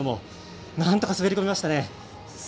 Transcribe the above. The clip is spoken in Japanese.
なんとか滑り込みましたね。